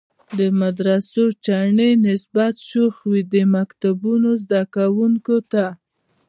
د مدرسو چڼې نسبتاً شوخ وي، د مکتبونو زده کوونکو ته.